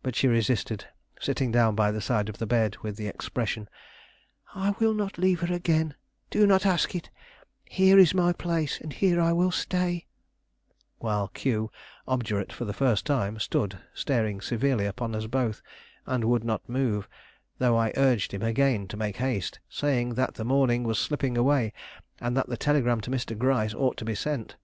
But she resisted, sitting down by the side of the bed with the expression, "I will not leave her again; do not ask it; here is my place, and here I will stay," while Q, obdurate for the first time, stood staring severely upon us both, and would not move, though I urged him again to make haste, saying that the morning was slipping away, and that the telegram to Mr. Gryce ought to be sent.